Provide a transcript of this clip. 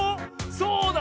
そうだ！